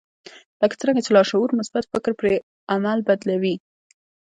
لکه څرنګه چې لاشعور مثبت فکر پر عمل بدلوي.